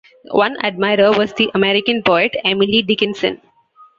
One admirer was the American poet Emily Dickinson.